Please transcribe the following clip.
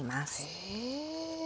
へえ。